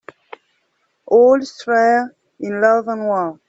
All's fair in love and war.